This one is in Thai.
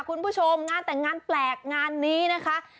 คุณผู้ชมงานแต่งงานแปลกงานนี้นะคะ